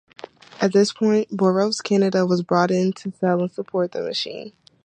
At this point Burroughs Canada was brought in to sell and support the machine.